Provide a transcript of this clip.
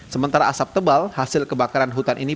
sementara asap tebal hasil kebakaran hutan ini